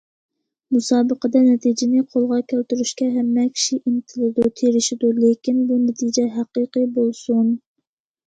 مۇسابىقىدە نەتىجىنى قولغا كەلتۈرۈشكە ھەممە كىشى ئىنتىلىدۇ، تىرىشىدۇ، لېكىن بۇ نەتىجە ھەقىقىي بولسۇن!